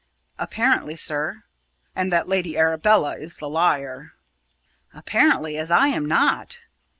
"Apparently, sir." "And that Lady Arabella is the liar!" "Apparently as I am not."